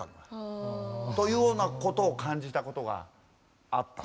というようなことを感じたことがあった。